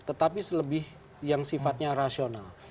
tetapi selebih yang sifatnya rasional